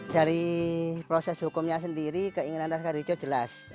dari proses hukumnya sendiri keinginan laskar hijau jelas